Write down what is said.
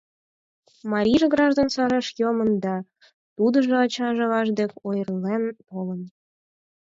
Марийже граждан сареш йомын, да тудыжо ачаж-аваж дек ойырлен толын.